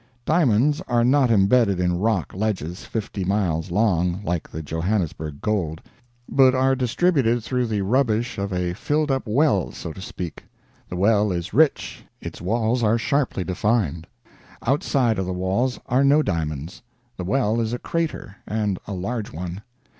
Diamonds are not imbedded in rock ledges fifty miles long, like the Johannesburg gold, but are distributed through the rubbish of a filled up well, so to speak. The well is rich, its walls are sharply defined; outside of the walls are no diamonds. The well is a crater, and a large one.